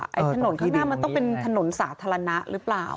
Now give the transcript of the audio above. ถนนข้างหน้ามันต้องเป็นถนนสาธารณะหรือเปล่า